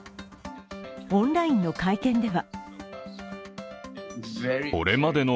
オンラインの会見では。